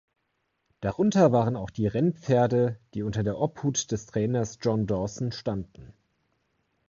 Darunter waren auch die Rennpferde, die unter der Obhut des Trainers John Dawson standen.